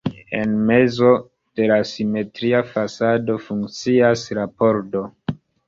En mezo de la simetria fasado funkcias la pordo.